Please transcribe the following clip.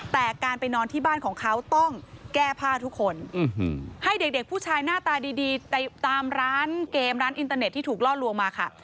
แต่การไปนอนที่บ้านของเขาต้องแก้ผ้าทุกคนให้เด็กผู้ชายหน้าตาดีตามร้านเกมร้านอินเตอร์เน็ตที่ถูกล่อลวงมาค่ะ